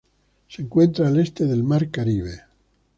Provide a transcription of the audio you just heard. Se encuentra al este del Mar Caribe.